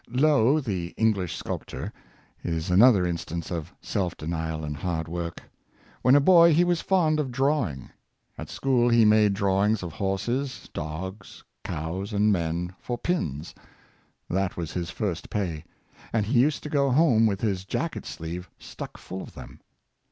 Lough, the English sculptor, is another instance of self denial and hard work. When a boy, he was fond of drawing. At school he made drawings of horses, dogs, cows, and men, for pins; that was his first pay. Jolm Lough. 415 and he used to go home with his jacket sleeve stuck full of them.